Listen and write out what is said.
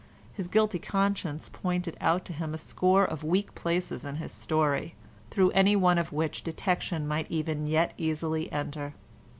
His guilty conscience pointed out to him a score of weak places in his story, through any one of which detection might even yet easily enter.